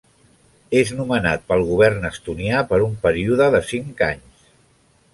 És nomenat pel govern estonià per un període de cinc anys.